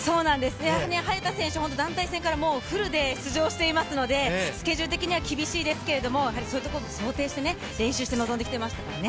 早田選手、団体戦からフルで出場していますので、スケジュール的には厳しいですけれども、そういうところも想定して練習してきていますからね。